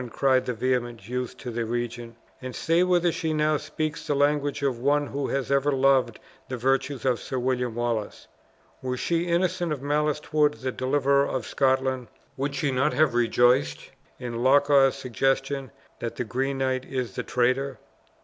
cried the vehement youth to the regent, "and say whether she now speaks the language of one who had ever loved the virtues of Sir William Wallace? Were she innocent of malice toward the deliverer of Scotland, would she not have rejoiced in Loch awe's suggestion, that the Green Knight is the traitor?